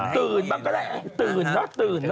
อ๋อตื่นบ้างก็ได้ตื่นนะตื่น